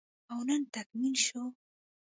او نن تکميل شو